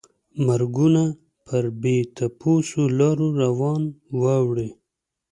مرګونه پر بې تپوسو لارو روان واوړي.